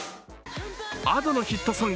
Ａｄｏのヒットソング